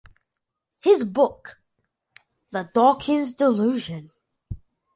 His book: The Dawkins Delusion?